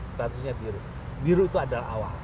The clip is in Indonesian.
statusnya biru biru itu adalah awal